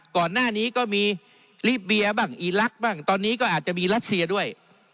ก่อนหน้านี้ก็มีลิเบียบ้างอีลักษณ์บ้างตอนนี้ก็อาจจะมีรัสเซียด้วย